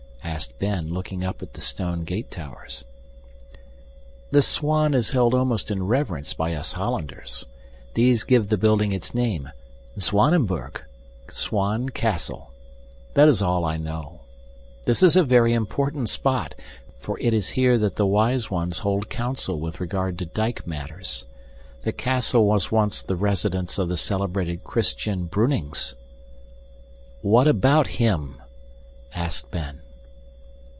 asked Ben, looking up at the stone gate towers. "The swan is held almost in reverence by us Hollanders. These give the building its name Zwanenburg, swan castle. That is all I know. This is a very important spot; for it is here that the wise ones hold council with regard to dike matters. The castle was once the residence of the celebrated Christian Brunings." "What about HIM?" asked Ben.